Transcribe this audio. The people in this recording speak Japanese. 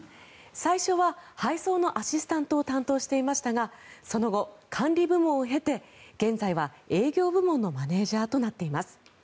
最初は配送のアシスタントを担当していましたがその後、管理部門を経て現在は営業部門のマネジャーとなっています。